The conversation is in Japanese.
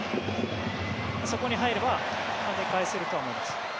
そこに入れば跳ね返せると思います。